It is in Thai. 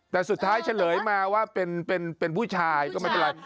แต่สุดท้ายเฉลยมาว่าเป็นผู้ชายก็ไม่เป็นไร